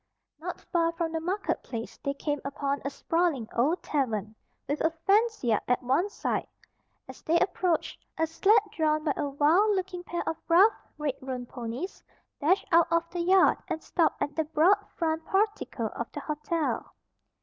Not far from the market place they came upon a sprawling old tavern, with a fenced yard at one side. As they approached, a sled drawn by a wild looking pair of rough, red roan ponies, dashed out of the yard and stopped at the broad front portico of the hotel.